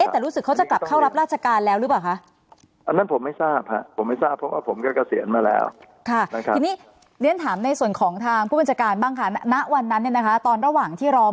แต่รู้สึกเขาจะกลับเข้ารับราชการแล้วหรือเปล่าคะ